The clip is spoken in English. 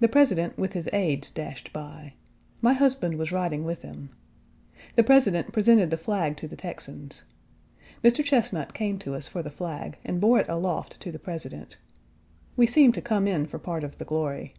The President, with his aides, dashed by. My husband was riding with him. The President presented the flag to the Texans. Mr. Chesnut came to us for the flag, and bore it aloft to the President. We seemed to come in for part of the glory.